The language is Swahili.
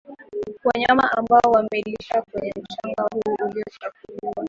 wanyama ambao wamelisha kwenye mchanga huu uliochafuliwa